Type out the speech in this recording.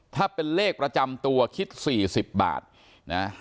ถ้าเป็นเลขประจำตัวคิด๔๐บาทนะ